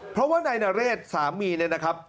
เพราะว่านายนเรศสามีเนี่ยนะครับ